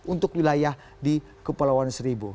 untuk wilayah di kepulauan seribu